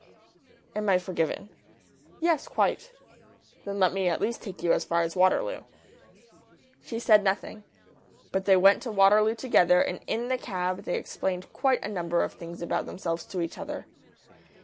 "Am I forgiven?" "Yes; quite." "Then let me at least take you as far as Waterloo." She said nothing. But they went to Waterloo together, and in the cab they explained quite a number of things about themselves to each other.